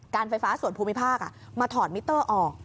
ไฟฟ้าส่วนภูมิภาคมาถอดมิเตอร์ออก